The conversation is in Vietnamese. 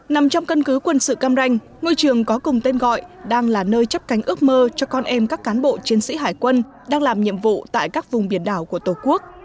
nằm trong cân cứ quân sự cam ranh ngôi trường có cùng tên gọi đang là nơi chấp cánh ước mơ cho con em các cán bộ chiến sĩ hải quân đang làm nhiệm vụ tại các vùng biển đảo của tổ quốc